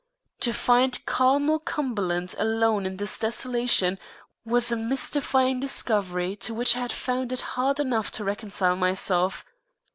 To find Carmel Cumberland alone in this desolation was a mystifying discovery to which I had found it hard enough to reconcile myself.